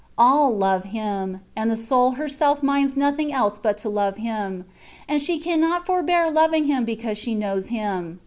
All love Him, and the soul herself minds nothing else but to love Him, and she cannot forbear loving Him because she knows Him.